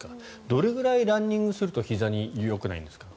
どれくらいランニングするとひざによくないんですか？